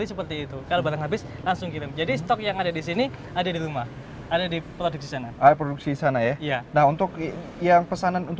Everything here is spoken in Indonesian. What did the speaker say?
semua ajak kerjasama ya